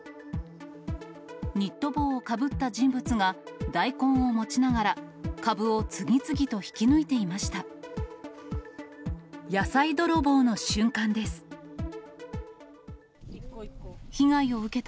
ニット帽をかぶった人物が、大根を持ちながら、カブを次々と引き抜いていました。